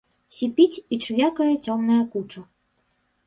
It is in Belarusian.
Сіпіць і чвякае цёмная куча.